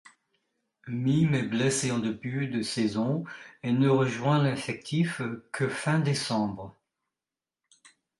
Mihm est blessé en début de saison et ne rejoint l'effectif que fin décembre.